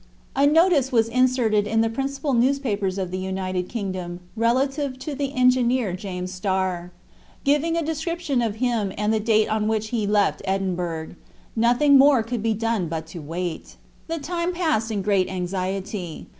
A notice was inserted in the principal newspapers of the United Kingdom relative to the engineer James Starr, giving a description of him and the date on which he left Edinburgh; nothing more could be done but to wait. The time passed in great anxiety.